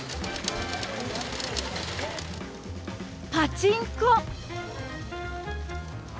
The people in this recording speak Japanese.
パチンコ。